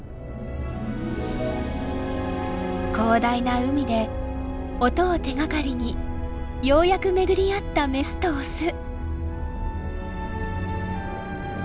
広大な海で音を手がかりにようやく巡り合ったメスとオス。